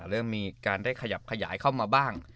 เริ่มมีการได้ขยับขยายเข้ามาบ้าง